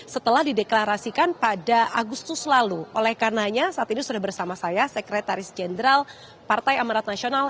setelah dideklarasikan pada agustus lalu oleh karenanya saat ini sudah bersama saya sekretaris jenderal partai amarat nasional